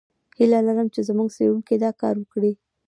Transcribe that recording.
هیله لرم چې زموږ څېړونکي دا کار وکړي.